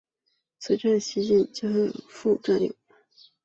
此站近西武秩父站有。